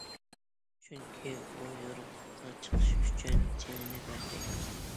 چۈنكى ئۇ يورۇقلۇققا چىقىش ئۈچۈن جېنىنى بەردى...